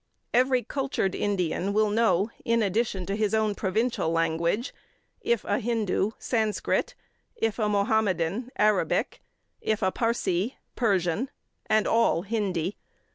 Every cultured Indian will know in addition to his own provincial language, if a Hindu, Sanskrit; if a Mahomedan, Arabic; if a Parsee, Persian; and all, Hindi.